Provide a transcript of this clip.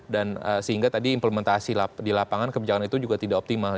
dan sehingga tadi implementasi di lapangan kebijakan itu juga tidak optimal